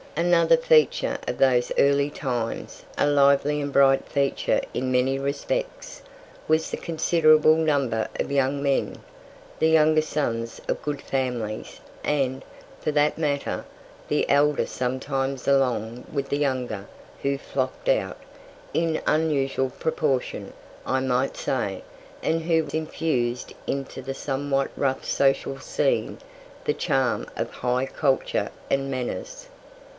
Another feature of those early times, a lively and bright feature in many respects, was the considerable number of young men, the younger sons of good families and, for that matter, the elder sometimes along with the younger who flocked out, in unusual proportion, I might say, and who infused into the somewhat rough social scene the charm of high culture and manners.